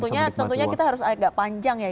dan tentunya kita harus agak panjang ya